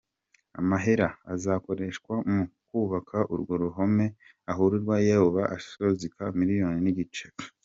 Amahera azokoreshwa mu kwubaka urwo ruhome aharurwa ko yoba azoshika umuliyoni n'igice.